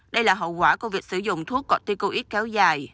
đây là hậu quả của việc sử dụng thuốc corticoid kéo dài